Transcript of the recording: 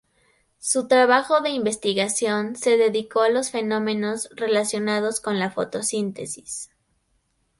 Su trabajo de investigación se dedicó a los fenómenos relacionados con la fotosíntesis.